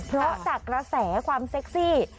เพราะจากกระแสความเซ็กซี่